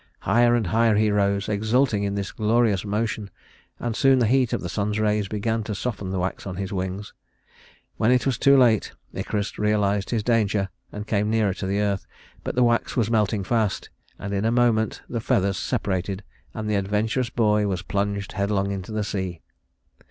Higher and higher he rose, exulting in this glorious motion, and soon the heat of the sun's rays began to soften the wax on his wings. When it was too late, Icarus realized his danger and came nearer to the earth; but the wax was melting fast, and in a moment the feathers separated and the adventurous boy was plunged headlong into the sea.